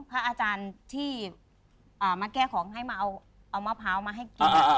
พระอาจารย์ที่มาแก้ของให้มาเอามะพร้าวมาให้กิน